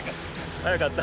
早かった。